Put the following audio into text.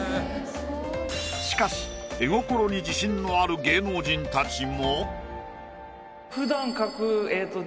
しかし絵心に自信のある芸能人たちも。